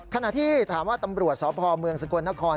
ขณะที่ถามว่าตำรวจสพเมืองสกลนคร